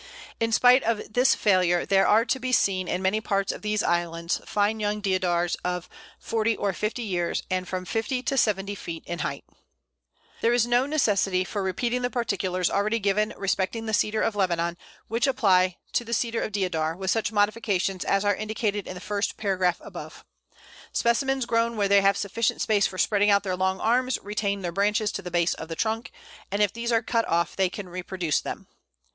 In spite of this failure, there are to be seen in many parts of these islands fine young Deodars of forty or fifty years, and from fifty to seventy feet in height. [Illustration: Pl. 172. Bole of Deodar.] There is no necessity for repeating the particulars already given respecting the Cedar of Lebanon, and which apply to the Deodar with such modifications as are indicated in the first paragraph above. Specimens grown where they have sufficient space for spreading out their long arms, retain their branches to the base of the trunk, and if these are cut off they can reproduce them.